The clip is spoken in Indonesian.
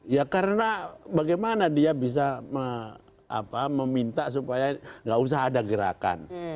ya karena bagaimana dia bisa meminta supaya nggak usah ada gerakan